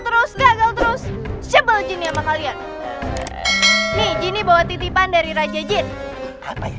terus gagal terus sebelumnya makanya ini bobot titipan dari raja jin apa ya